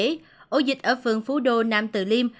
trong công bố cấp độ dịch mới ổ dịch ở phường phú đô nam tự liêm